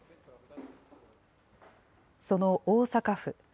その大阪府。